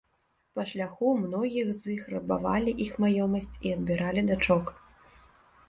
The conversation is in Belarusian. Па шляху ў многіх з іх рабавалі іх маёмасць і адбіралі дачок.